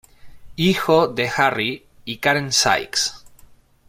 Hijo de Harry y Karen Sykes.